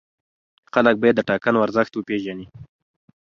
خلک باید د ټاکنو ارزښت وپېژني